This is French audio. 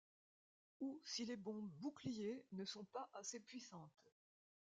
ou si les bombes bouclier ne sont pas assez puissantes.